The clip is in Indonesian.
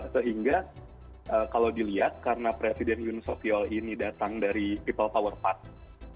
sehingga kalau dilihat karena presiden yun soekyol ini datang dari pitopower parti